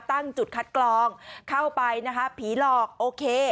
ตั้งจุดคัดกรองเข้าไปนะคะผีหลอกโอเค